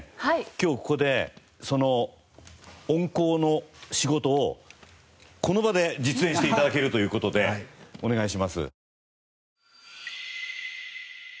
今日ここでその音効の仕事をこの場で実演して頂けるという事でお願いします。